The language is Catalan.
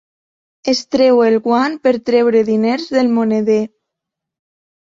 Es treu el guant per treure diners del moneder.